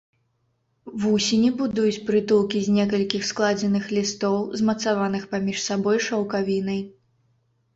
Вусені будуюць прытулкі з некалькіх складзеных лістоў, змацаваных паміж сабой шаўкавінай.